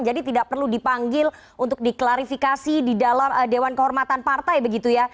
jadi tidak perlu dipanggil untuk diklarifikasi di dalam dewan kehormatan partai begitu ya